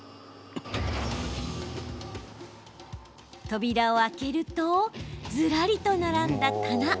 扉を開けるとずらりと並んだ棚。